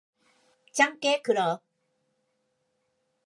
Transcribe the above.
찮게 굴어!